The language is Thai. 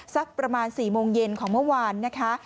สักประมาณ๔โมงเย็นของเมื่อวานนะคะ